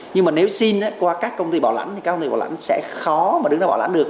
nhưng mà nếu xin qua các công ty bảo lãnh thì các công ty bảo lãnh sẽ khó mà đứng ra bảo lãnh được